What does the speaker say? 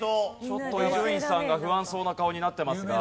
ちょっと伊集院さんが不安そうな顔になってますが。